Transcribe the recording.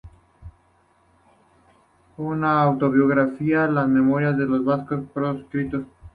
Una autobiografía, las memorias de un vasco proscrito.